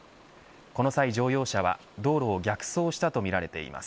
この際乗用車は道路を逆走したとみられています。